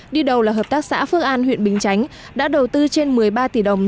đi đầu là hợp tác xã phước an huyện bình chánh đã đầu tư trên một mươi ba tỷ đồng